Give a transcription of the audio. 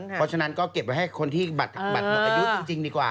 เพราะฉะนั้นก็เก็บไว้ให้คนที่บัตรหมดอายุจริงดีกว่า